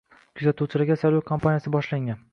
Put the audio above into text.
Kuzatuvchilarga saylov kampaniyasi boshlangan